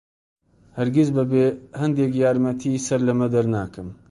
هەرگیز بەبێ هەندێک یارمەتی سەر لەمە دەرناکەم.